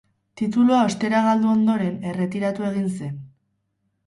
Titulua ostera galdu ondoren, erretiratu egin zen.